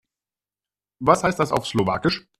Was heißt das auf Slowakisch?